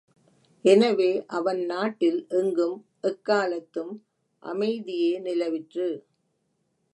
எனவே, அவன் நாட்டில், எங்கும், எக்காலத்தும் அமைதியே நிலவிற்று.